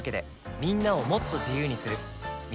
みんなをもっと自由にする「三菱冷蔵庫」